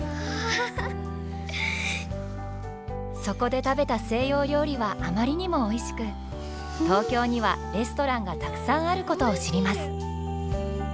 そこで食べた西洋料理はあまりにもおいしく東京にはレストランがたくさんあることを知ります。